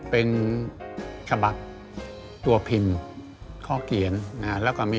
พัดโบกวอนหล่องห้นวนเวียนไป